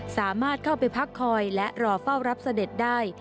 สามารถเข้าไปพักคอยและรอเฝ้ารับเสด็จได้